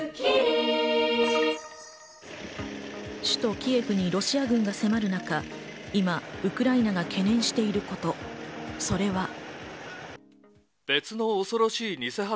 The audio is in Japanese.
首都キエフにロシア軍が迫る中、今ウクライナが懸念していること、それは。